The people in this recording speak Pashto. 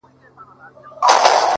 وجود پرېږدمه د وخت مخته به نڅا کومه’